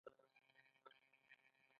آیا پښتو یوه خوږه ژبه نه ده؟